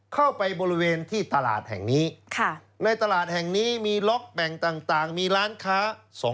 เข้าไปบริเวณที่ตลาดแห่งนี้ในตลาดแห่งนี้มีล็อกแบ่งต่างมีร้านค้า